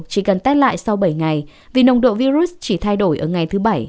chỉ cần test lại sau bảy ngày vì nồng độ virus chỉ thay đổi ở ngày thứ bảy